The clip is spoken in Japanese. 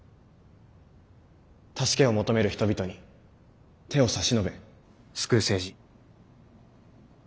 助けを求める人々に手を差し伸べ救う政治。